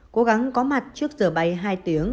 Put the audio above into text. cố gắng có mặt trước giờ bay hai tiếng